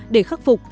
để khắc phục